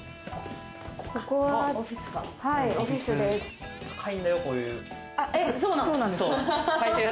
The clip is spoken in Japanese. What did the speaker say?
ここはオフィスです。